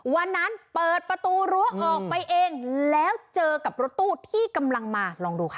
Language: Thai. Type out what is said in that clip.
วันนั้นเปิดประตูรั้วออกไปเองแล้วเจอกับรถตู้ที่กำลังมาลองดูค่ะ